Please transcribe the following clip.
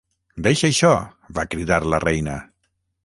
"Deixa això!", va cridar la Reina.